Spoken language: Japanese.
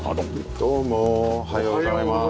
どうもおはようございます。